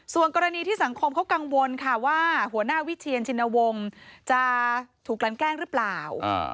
ส่วนกรณีที่สังคมเขากังวลค่ะว่าหัวหน้าวิเชียนชินวงศ์จะถูกกันแกล้งหรือเปล่า